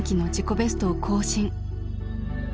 ベストを更新。